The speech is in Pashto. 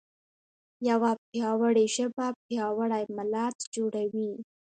یوه پیاوړې ژبه پیاوړی ملت جوړوي.